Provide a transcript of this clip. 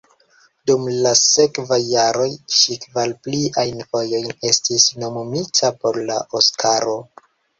Dum la sekvaj jaroj ŝi kvar pliajn fojojn estis nomumita por la Oskaro.